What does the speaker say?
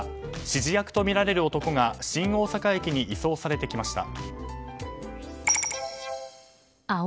指示役とみられる男が新大阪駅に移送されてきました。